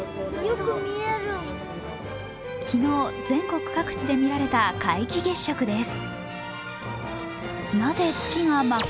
昨日、全国各地で見られた皆既月食です。